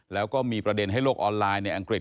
แล้วก็มีประเด็นให้โลกออนไลน์ในอังกฤษ